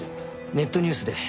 ネットニュースで。